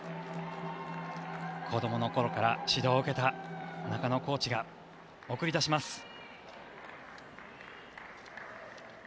子どものころから指導を受けた中野コーチが送り出します。